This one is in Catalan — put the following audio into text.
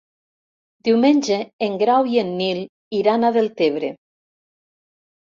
Diumenge en Grau i en Nil iran a Deltebre.